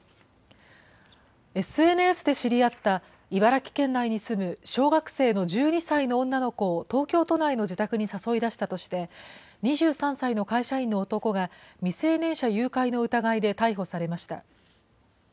ＳＮＳで知り合った茨城県内に住む小学生の１２歳の女の子を東京都内の自宅に誘い出したとして、２３歳の会社員の男が、未成年者誘拐の疑いで逮捕されました。